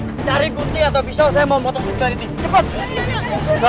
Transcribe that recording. stop cari kunci atau pisau saya mau motor motor ini cepat